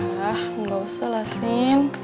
ah nggak usah lah sin